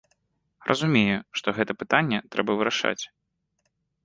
Разумею, што гэта пытанне трэба вырашаць.